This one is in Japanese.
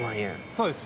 そうです。